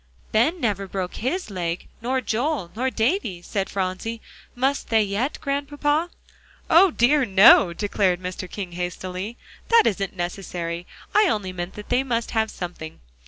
"Ben never broke his leg, nor Joel, nor Davie," said Phronsie. "Must they yet, Grandpapa?" "O dear, no," declared Mr. King hastily; "that isn't necessary. I only meant they must have something.